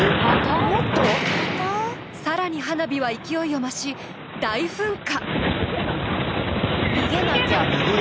更に花火は勢いを増し、大噴火。